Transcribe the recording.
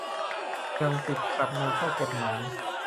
ยังติดขัดในข้อกฎหมาย